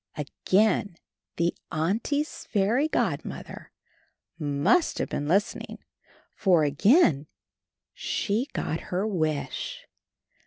Again the Auntie's fairy godmother must have been listening, for again she got her wish.